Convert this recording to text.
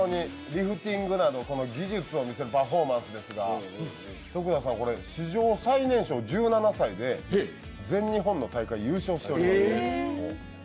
リフティングなどその技術を見せるパフォーマンスですが徳田さん、史上最年少１７歳で全日本の大会で優勝してます。